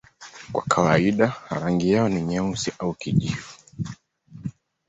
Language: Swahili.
Kwa kawaida rangi yao ni nyeusi au kijivu.